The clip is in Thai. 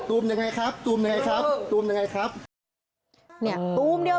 ยังไงครับตูมยังไงครับตูมยังไงครับเนี่ยตูมเดียว